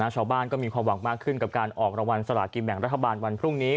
ชาวบ้านก็มีความหวังมากขึ้นกับการออกรางวัลสลากินแบ่งรัฐบาลวันพรุ่งนี้